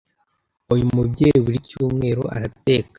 Uyu mubyeyi buri Cyumweru arateka